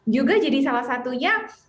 juga jadi salah satunya